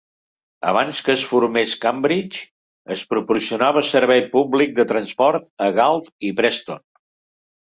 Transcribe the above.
Abans que es formés Cambridge, es proporcionava servei públic de transport a Galt i Preston.